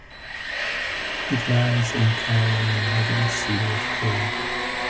It lies entirely within the city of Craig.